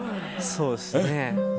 そうですね。